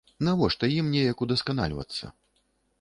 Навошта ім неяк удасканальвацца?